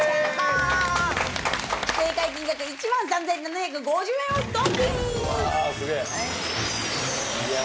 正解金額１万３，７５０円を送金！